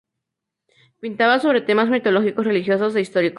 Pintaba sobre temas mitológicos, religiosos e históricos.